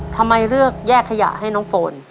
ทำไมเลือกแยกขยะให้น้องโฟน